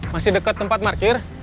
masih deket tempat markir